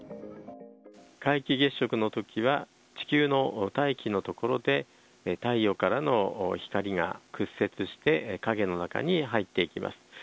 皆既月食の時は地球の大気のところで太陽からの光が屈折して影の中に入っていきます。